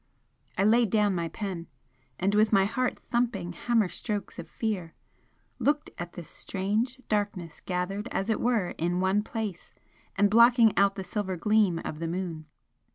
I laid down my pen, and, with my heart thumping hammer strokes of fear, looked at this strange Darkness gathered as it were in one place and blocking out the silver gleam of the moon.